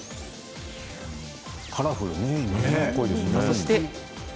カラフルね。